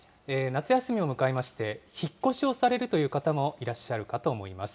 夏休みを迎えまして、引っ越しをされるという方もいらっしゃるかと思います。